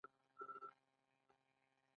ښاغلي ولیزي د کتاب لپاره ناشر هم پیدا کړ.